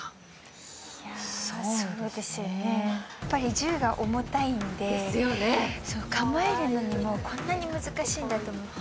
銃が重たいんで、構えるのにもこんなに難しいんだと思って。